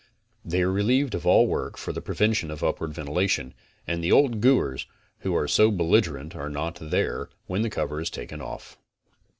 They are relieved of all work for the prevention of upward ven tilation, and the old guers, who are so belligerent are not there when the cover is taken off.